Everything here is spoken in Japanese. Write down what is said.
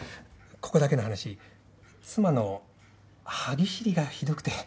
ここだけの話妻の歯ぎしりがひどくて。